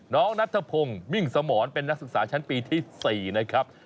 นัทธพงศ์มิ่งสมรเป็นนักศึกษาชั้นปีที่๔นะครับ